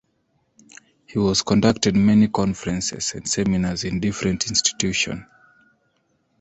He has conducted many conferences and seminars in different institution.